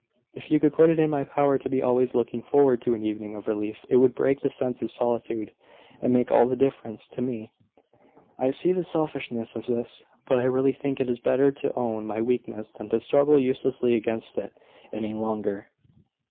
If you could put it in my power to be always looking forward to an evening of relief, it would break the sense of solitude, and make all the difference to me. I see the selfishness of this; but I really think it is better to own my weakness than to struggle uselessly against it any longer."